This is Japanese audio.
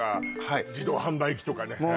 はい自動販売機とかね